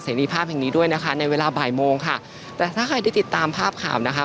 รีภาพแห่งนี้ด้วยนะคะในเวลาบ่ายโมงค่ะแต่ถ้าใครได้ติดตามภาพข่าวนะคะ